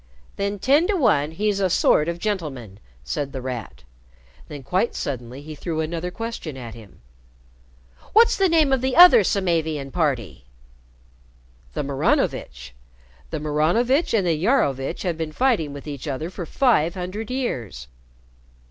"Then, ten to one, he's a sort of gentleman," said The Rat. Then quite suddenly he threw another question at him. "What's the name of the other Samavian party?" "The Maranovitch. The Maranovitch and the Iarovitch have been fighting with each other for five hundred years.